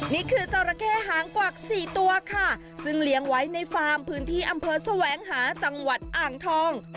นี่คือจราเข้หางกวักสี่ตัวค่ะซึ่งเลี้ยงไว้ในฟาร์มพื้นที่อำเภอแสวงหาจังหวัดอ่างทอง